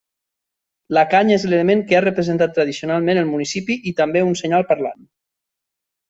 La canya és l'element que ha representat tradicionalment el municipi i també un senyal parlant.